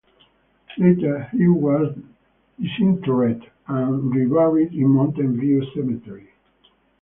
Later he was disinterred and re-buried in Mountain View Cemetery.